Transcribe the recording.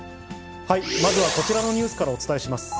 まずはこちらのニュースからお伝えします。